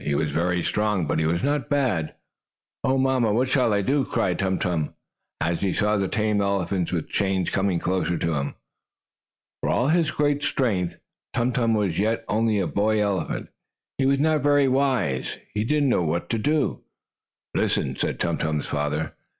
He was very strong, but he was not bad. "Oh, mamma, what shall I do?" cried Tum Tum, as he saw the tame elephants, with chains, coming closer to him. For all his great strength, Tum Tum was yet only a boy elephant. He was not very wise. He did not know what to do. "Listen," said Tum Tum's father.